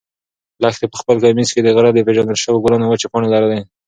لښتې په خپل کمیس کې د غره د پېژندل شوو ګلانو وچې پاڼې لرلې.